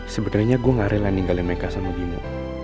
sebenernya gue gak rela ninggalin mereka sama bimo